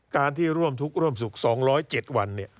การที่ร่วมทุกข์ร่วมสุข๒๐๗วัน